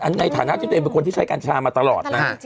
ในฐานะที่ตัวเองเป็นคนที่ใช้กัญชามาตลอดนะ